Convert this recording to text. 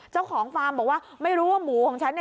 เจ้าของฟาร์มบอกว่าไม่รู้ว่าหมูของฉัน